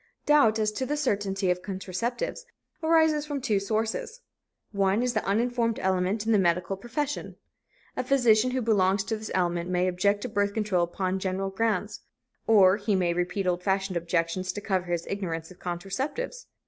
Doubt as to the certainty of contraceptives arises from two sources. One is the uninformed element in the medical profession. A physician who belongs to this element may object to birth control upon general grounds, or he may repeat old fashioned objections to cover his ignorance of contraceptives.